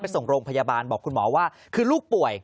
ส่งโรงพยาบาลบอกคุณหมอว่าคือลูกป่วย